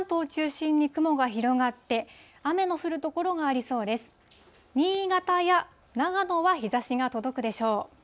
新潟や長野は日ざしが届くでしょう。